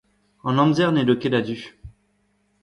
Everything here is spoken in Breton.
An amzer n'edo ket a-du.